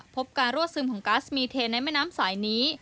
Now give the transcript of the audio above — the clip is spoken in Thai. พบการรั่วซึมของก๊าซมีเทในแม่น้ำสายนี้